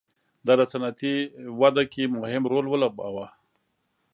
دا د صنعتي وده کې مهم رول ولوباوه.